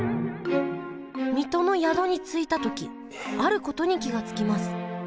水戸の宿に着いた時あることに気が付きます。